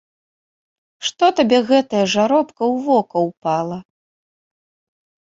Што табе гэтая жаробка ў вока ўпала!